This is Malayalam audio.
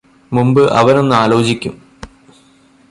മുമ്പ് അവനൊന്ന് ആലോചിക്കും